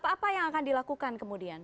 apa yang akan dilakukan kemudian